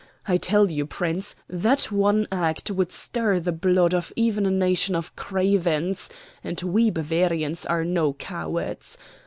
I tell you, Prince, that one act would stir the blood of even a nation of cravens and we Bavarians are no cowards.